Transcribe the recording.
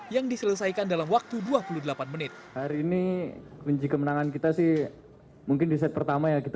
yang diselesaikan dalam waktu dua puluh delapan menit